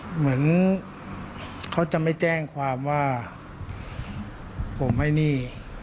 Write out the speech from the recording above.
เหมือนเขาจะไม่แจ้งความว่าผมให้หนี้